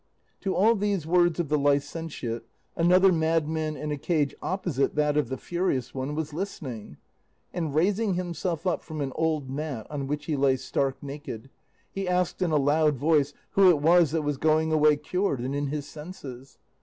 "To all these words of the licentiate another madman in a cage opposite that of the furious one was listening; and raising himself up from an old mat on which he lay stark naked, he asked in a loud voice who it was that was going away cured and in his senses.